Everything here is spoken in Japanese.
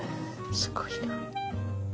すごいな。